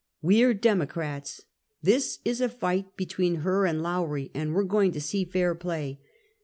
We're Demo crats. Tbis is a figbt between ber and Lowrie, and we're going to see fair play.